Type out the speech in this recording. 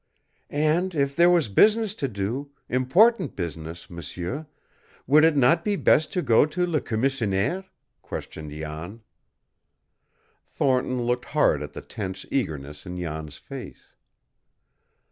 "And if there was business to do important business, m'sieur, would it not be best to go to Le Commissionaire?" questioned Jan. Thornton looked hard at the tense eagerness in Jan's face.